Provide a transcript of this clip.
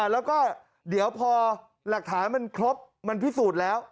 แล้วก็เดี๋ยวพอหลักฐานมันครบมันพิสูจน์แล้ว